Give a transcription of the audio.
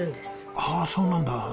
ああそうなんだ。